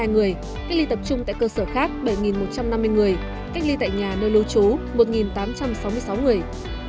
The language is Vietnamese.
một trăm hai mươi hai người cách ly tập trung tại cơ sở khác bảy một trăm năm mươi người cách ly tại nhà nơi lưu trú một tám trăm sáu mươi sáu người